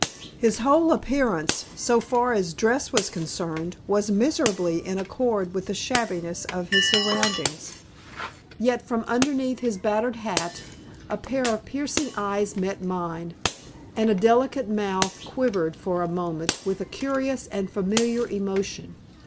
His whole appearance, so far as dress was concerned, was miserably in accord with the shabbiness of his surroundings. Yet from underneath his battered hat a pair of piercing eyes met mine, and a delicate mouth quivered for a moment with a curious and familiar emotion.